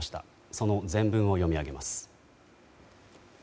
その全文を読み上げます。